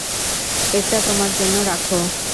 একটা তোমার জন্য রাখো।